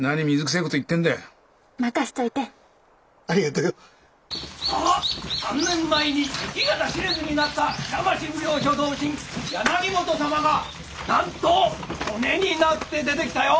さあ３年前に行き方知れずになった北町奉行所同心柳本様がなんと骨になって出てきたよ！